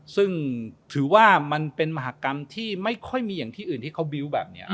ซึ่งถือว่ามันเป็นมหากรรมที่ไม่ค่อยมีอย่างที่อื่นที่เขาบิ้วแบบนี้